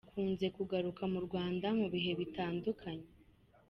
Akunze kugaruka mu Rwanda mu bihe bitandukanye.